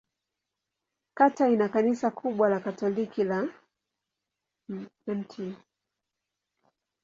Kata ina kanisa kubwa la Katoliki la Mt.